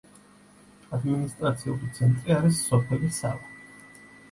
ადმინისტრაციული ცენტრი არის სოფელი სალა.